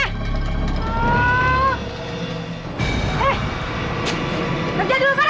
eh eh kerja dulu sana